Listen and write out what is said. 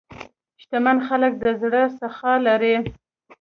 شتمن خلک د زړه سخا لري.